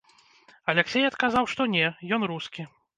Аляксей адказаў, што не, ён рускі.